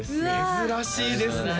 珍しいですね